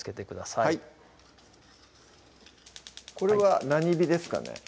はいこれは何火ですかね